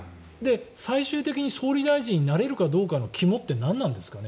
最終的に総理大臣になれるかどうかの肝って何なんですかね。